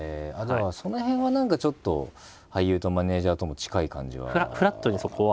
その辺は何かちょっと俳優とマネージャーとも近い感じはフラットにそこは。